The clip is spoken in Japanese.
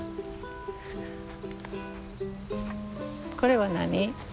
これは何？